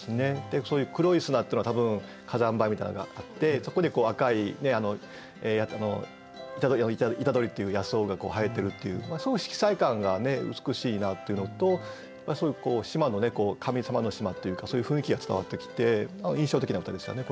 そういう黒い砂っていうのは多分火山灰みたいなのがあってそこで赤い虎杖っていう野草が生えてるっていう色彩感が美しいなっていうのとそういう島のね神様の島っていうかそういう雰囲気が伝わってきて印象的な歌でしたね